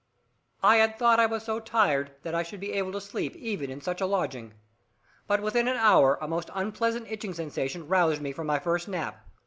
I had thought I was so tired that I should be able to sleep even in such a lodging. But within an hour a most unpleasant itching sensation roused me from my first nap.